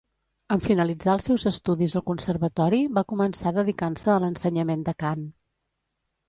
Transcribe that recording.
En finalitzar els seus estudis al conservatori, va començar dedicant-se a l'ensenyament de cant.